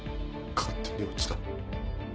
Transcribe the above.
「勝手に落ちた」